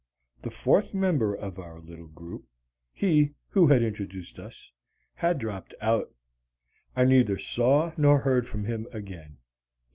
The fourth member of our little group, he who had introduced us, had dropped out. I neither saw nor heard from him again.